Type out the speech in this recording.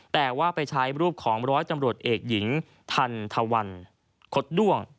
แต่ว่าไปใช้รูปของร้อยตำรวจเอกหญิงทันทวันคดด้วง